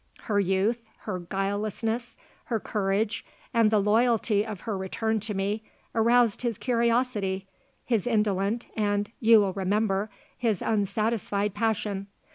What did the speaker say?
Her youth, her guilelessness, her courage and the loyalty of her return to me, aroused his curiosity, his indolent and you will remember his unsatisfied, passion.